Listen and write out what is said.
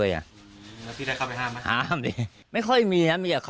แต่แท็กซี่เขาก็บอกว่าแท็กซี่ควรจะถอยควรจะหลบหน่อยเพราะเก่งเทาเนี่ยเลยไปเต็มคันแล้ว